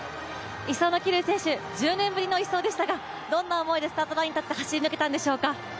１走の桐生選手、１０年ぶりの１走でしたが、どんな思いでスタートライン走り抜けたんでしょうか。